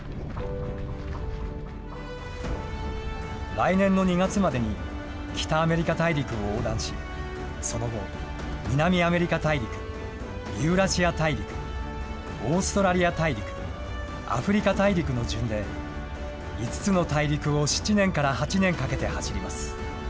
来年の２月までに、北アメリカ大陸を横断し、その後、南アメリカ大陸、ユーラシア大陸、オーストラリア大陸、アフリカ大陸の順で、５つの大陸を７年から８年かけて走ります。